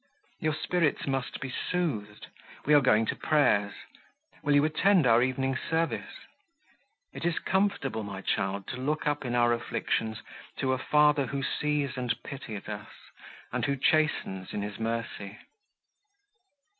Your spirits must be soothed. We are going to prayers;—will you attend our evening service? It is comfortable, my child, to look up in our afflictions to a father, who sees and pities us, and who chastens in his mercy."